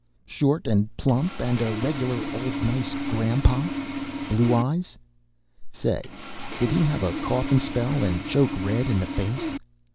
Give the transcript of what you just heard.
Short and plump, and a reg'lar old nice grandpa? Blue eyes? Say, did he have a coughin' spell and choke red in the face?